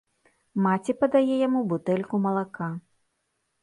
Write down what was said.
Маці падае яму бутэльку малака.